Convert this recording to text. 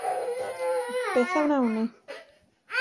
Beth a wnawn ni?